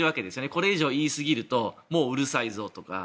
これ以上言いすぎるともううるさいぞとか。